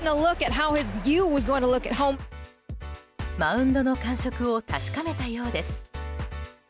マウンドの感触を確かめたようです。